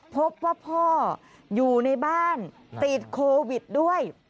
พบว่าพ่ออยู่ในบ้านติดโควิดด้วย